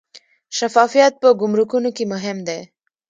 شفافیت په ګمرکونو کې مهم دی